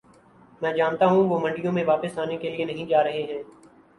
میں جانتا ہوں وہ منڈیوں میں واپس آنے کے لیے نہیں جا رہے ہیں